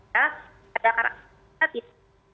ya ada karena tatip